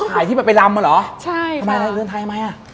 หายที่ไปไปลำหรอใช่ถ้าเรือนไทยทำไมอะ